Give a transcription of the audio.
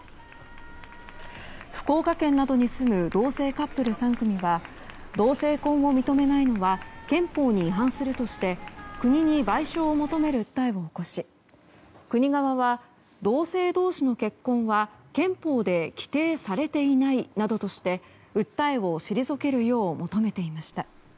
福岡県などに住む同性カップル３組は同性婚を認めないのは憲法に違反するとして国に賠償を求める訴えを起こし国側は、同性同士の結婚は憲法で規定されていないなどとして訴えを退けるよう求めていました。